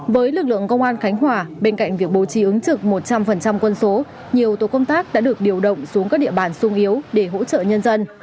với lực lượng công an khánh hòa bên cạnh việc bố trí ứng trực một trăm linh quân số nhiều tổ công tác đã được điều động xuống các địa bàn sung yếu để hỗ trợ nhân dân